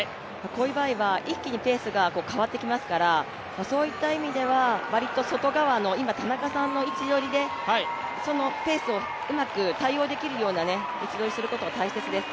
こういう場合は一気にペースが変わってきますからそういった意味では、わりと外側の今の田中さんの位置取りでそのペースを、うまく対応できるような位置取りをすることが大切です。